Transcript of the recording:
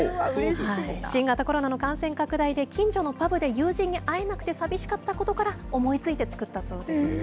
新型コロナの感染拡大で、近所のパブで友人に会えなくて寂しかったことから、思いついて作ったそうです。